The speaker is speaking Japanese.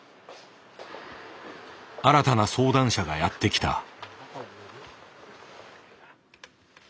新たな相談者がやって来た。